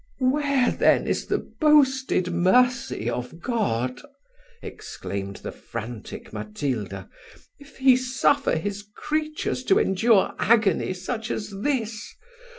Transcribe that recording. "Where, then, is the boasted mercy of God," exclaimed the frantic Matilda, "if he suffer his creatures to endure agony such as this?